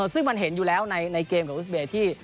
ซึ่งมันเห็นอยู่แล้วในเกมกับอุสเบย์ที่